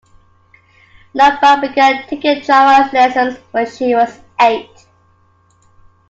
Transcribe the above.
Lombard began taking drama lessons when she was eight.